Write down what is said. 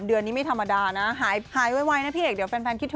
กินไก่ย่างอะไรในเนี่ย